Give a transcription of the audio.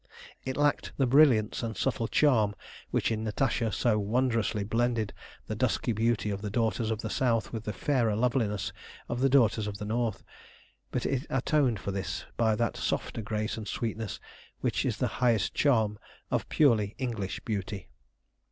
It lacked the brilliance and subtle charm which in Natasha so wondrously blended the dusky beauty of the daughters of the South with the fairer loveliness of the daughters of the North; but it atoned for this by that softer grace and sweetness which is the highest charm of purely English beauty.